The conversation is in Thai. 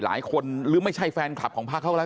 หรือไม่ใช่แฟนคลับของพักเขาก็แล้ว